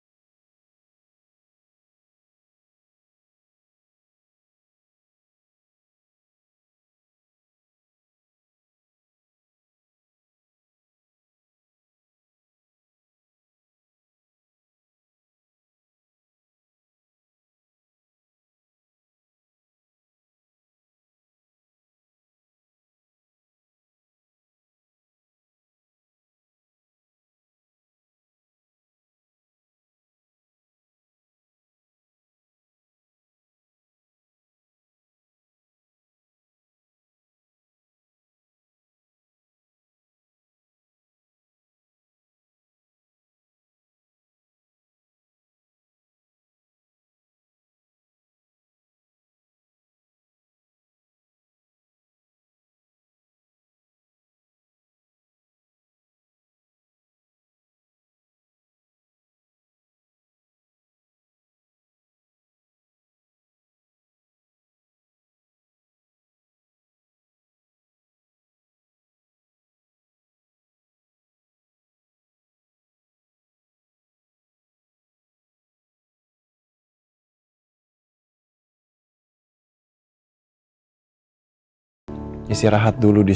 ya athletes paham namanya emulate art being just like us